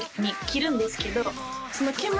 切るんですけど。